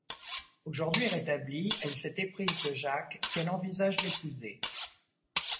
Aujourd'hui rétablie, elle s'est éprise de Jacques qu'elle envisage d'épouser.